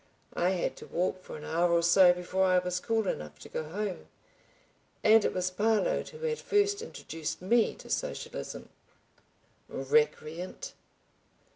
I had to walk for an hour or so, before I was cool enough to go home. And it was Parload who had first introduced me to socialism! Recreant!